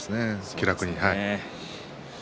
気楽に。